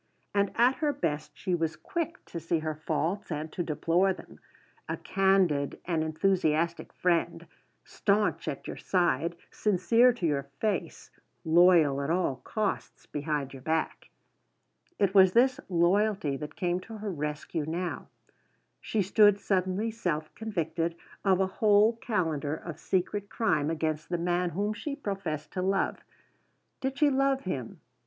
And at her best she was quick to see her faults and to deplore them; a candid and enthusiastic friend; staunch at your side, sincere to your face, loyal at all costs behind your back. It was this loyalty that came to her rescue now: she stood suddenly self convicted of a whole calendar of secret crime against the man whom she professed to love. Did she love him?